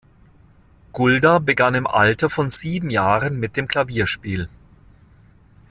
Gulda begann im Alter von sieben Jahren mit dem Klavierspiel.